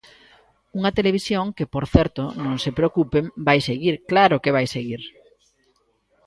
Unha televisión que, por certo, non se preocupen, vai seguir, ¡claro que vai seguir!